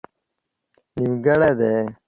نيمګړئ دي